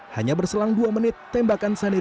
hanya berselang dua menit tembakan sanitiz